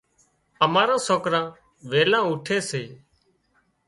ماران سوڪران ويلان اُوٺي سي۔